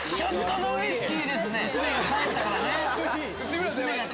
娘が帰ったからね。